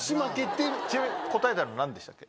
ちなみに答えたの何でしたっけ？